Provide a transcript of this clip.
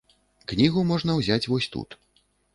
Кнігу можна ўзяць вось тут.